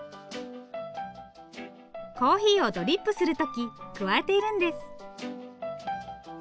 コーヒーをドリップする時加えているんです。